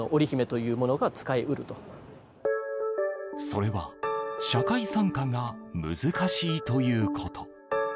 それは社会参加が難しいということ。